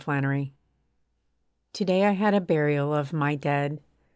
A BURIAL To day I had a burial of my dead.